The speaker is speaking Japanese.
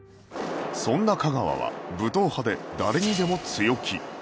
そんな架川は武闘派で誰にでも強気